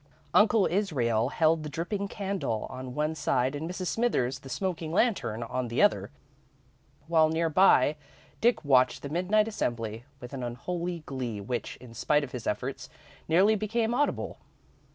Uncle Israel held the dripping candle on one side and Mrs. Smithers the smoking lantern on the other, while near by, Dick watched the midnight assembly with an unholy glee which, in spite of his efforts, nearly became audible.